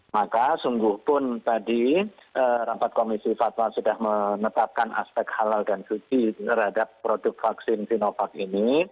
maka sungguh pun tadi rapat komisi fatwa sudah menetapkan aspek halal dan suci terhadap produk vaksin sinovac ini